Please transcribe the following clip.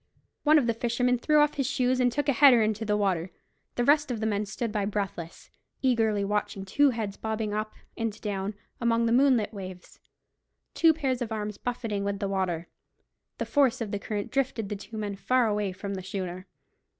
One of the fishermen threw off his shoes, and took a header into the water. The rest of the men stood by breathless, eagerly watching two heads bobbing up and down among the moonlit waves, two pairs of arms buffeting with the water. The force of the current drifted the two men far away from the schooner.